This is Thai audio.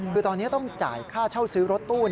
คือตอนนี้ต้องจ่ายค่าเช่าซื้อรถตู้